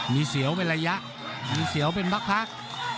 มีเสียวเป็นระยะมีเสียวเป็นพัก